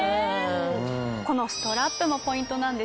このストラップもポイントなんですよね。